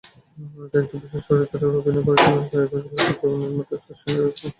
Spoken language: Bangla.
এতে একটি বিশেষ চরিত্রে অভিনয় করেছিলেন প্রয়াত চলচ্চিত্র নির্মাতা চাষী নজরুল ইসলাম।